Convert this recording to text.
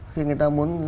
khi người ta muốn